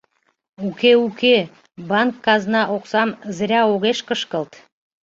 Уке-уке, банк казна оксам зря огеш кышкылт.